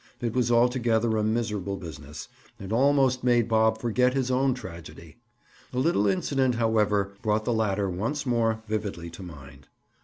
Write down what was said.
It was altogether a miserable business, and almost made Bob forget his own tragedy. A little incident, however, brought the latter once more vividly to mind.